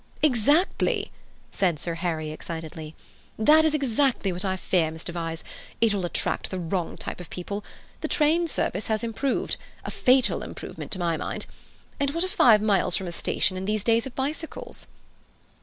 "Exactly!" said Sir Harry excitedly. "That is exactly what I fear, Mr. Vyse. It will attract the wrong type of people. The train service has improved—a fatal improvement, to my mind. And what are five miles from a station in these days of bicycles?"